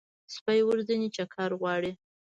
سپي ورځنی چکر غواړي.